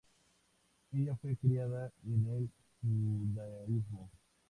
Ella fue criada en el judaísmo.